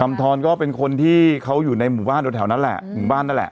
ทรก็เป็นคนที่เขาอยู่ในหมู่บ้านแถวนั้นแหละหมู่บ้านนั่นแหละ